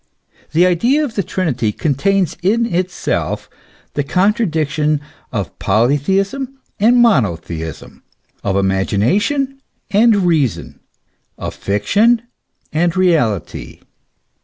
The idea of the Trinity contains in itself the contradiction of polytheism and monotheism, of imagination and reason, of fiction and reality.